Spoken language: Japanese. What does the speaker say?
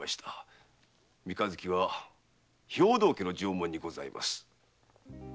三日月は兵藤家の定紋にございます。